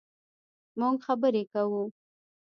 مونږ خبرې کوو